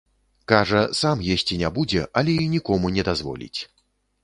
Кажа, сам есці не будзе, але і нікому не дазволіць.